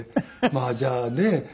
まあじゃあね